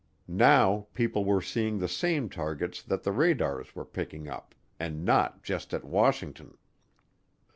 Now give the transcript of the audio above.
Now people were seeing the same targets that the radars were picking up, and not just at Washington.